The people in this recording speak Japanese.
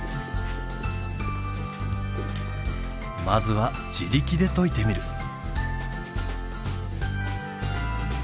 まずは自力で解いてみる。